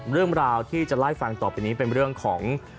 เริ่มราวที่จะไลฟ์ฟังต่อไปนี้เป็นเรื่องของ